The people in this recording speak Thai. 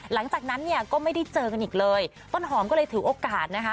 หลังจากนั้นเนี่ยก็ไม่ได้เจอกันอีกเลยต้นหอมก็เลยถือโอกาสนะคะ